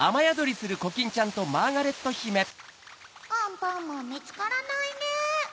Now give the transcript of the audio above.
アンパンマンみつからないね。